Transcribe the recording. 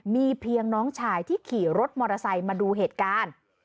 มีเพียงน้องชายที่ขี่รถมอเตอร์ไซค์มาดูเหตุการณ์